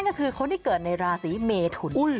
นั่นก็คือคนที่เกิดในราศีเมฑุร์น